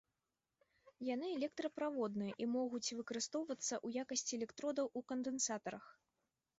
Яны электраправодныя і могуць выкарыстоўвацца ў якасці электродаў ў кандэнсатарах.